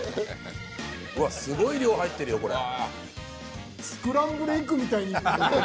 わっすごい量入ってるよこれ。